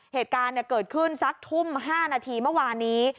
เหตุการณ์เกิดขึ้นสักทุ่ม๕นาทีเมื่อวานนี้